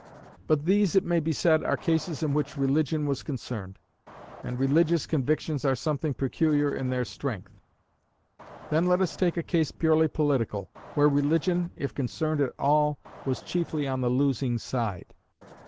But these, it may be said, are cases in which religion was concerned, and religious convictions are something peculiar in their strength. Then let us take a case purely political, where religion, if concerned at all, was chiefly on the losing side.